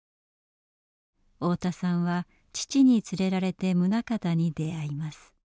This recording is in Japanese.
太田さんは父に連れられて棟方に出会います。